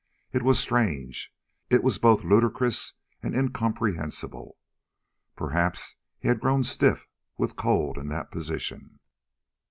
It was strange. It was both ludicrous and incomprehensible. Perhaps he had grown stiff with cold in that position.